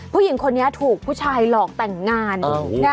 ผู้หญิงคนนี้ถูกผู้ชายหลอกแต่งงาน